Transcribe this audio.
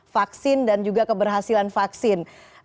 vaksin dan juga keberhasilan vaksin